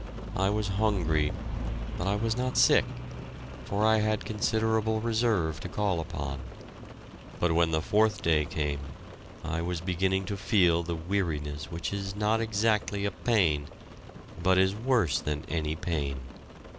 I was hungry, but I was not sick, for I had considerable reserve to call upon, but when the fourth day came I was beginning to feel the weariness which is not exactly a pain, but is worse than any pain.